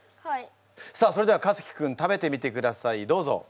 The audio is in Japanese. さあそれではかつき君食べてみてくださいどうぞ！